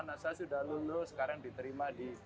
anak saya sudah lulus sekarang diterima di